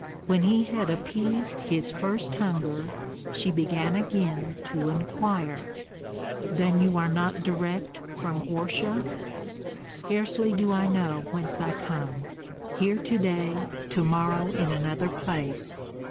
When he had appeased his first hunger, she began again to inquire, "Then you are not direct from Orsha?" "Scarcely do I know whence I come, here to day, tomorrow in another place.